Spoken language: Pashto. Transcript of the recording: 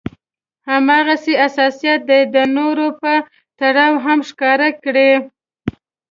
هماغه حساسيت دې د نورو په تړاو هم ښکاره کړي.